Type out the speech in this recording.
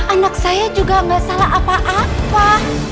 anak saya juga nggak salah apa apa